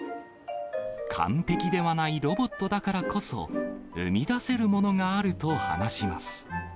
完璧ではないロボットだからこそ、生み出せるものがあると話します。